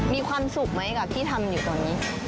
มีความสุขไหมกับที่ทำอยู่ตอนนี้